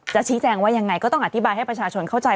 ชี้แจงว่ายังไงก็ต้องอธิบายให้ประชาชนเข้าใจ